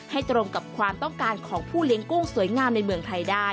ตรงกับความต้องการของผู้เลี้ยงกุ้งสวยงามในเมืองไทยได้